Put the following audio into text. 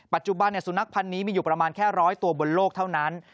ปัจจุบันสุนัขพันธ์นี้มีอยู่ประมาณแค่ร้อยตัวบนโลกเท่านั้น